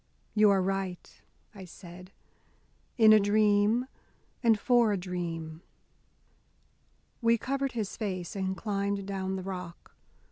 "You are right," I said, "in a dream, and for a dream." We covered his face and climbed down the rock.